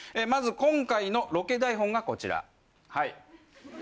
まず今回のロケ台本がこちら。